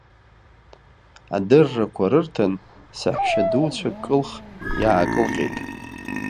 Адыррақәа рырҭан, саҳәшьа дуцәа кылхх иаакылҟьеит.